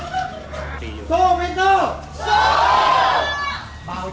เราเป็นไปผมที่นิด